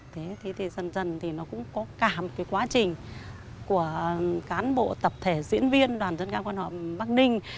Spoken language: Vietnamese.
thế thì dần dần thì nó cũng có cả một cái quá trình của cán bộ tập thể diễn viên đoàn dân ca quan họ bắc ninh